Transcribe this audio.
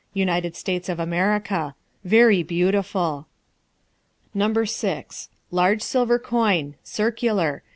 United States of America. Very beautiful. No. 6. Large silver coin. Circular.